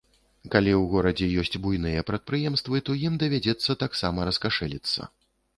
Калі ў горадзе ёсць буйныя прадпрыемствы, то ім давядзецца таксама раскашэліцца.